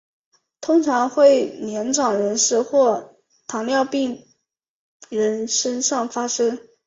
通常会在年长人士或糖尿病人身上发生。